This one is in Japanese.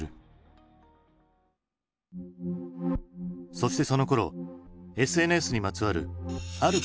そしてそのころＳＮＳにまつわるある言葉が注目される。